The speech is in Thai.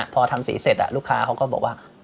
พอทำสีเสร็จลูกค้าเขาก็บอกว่า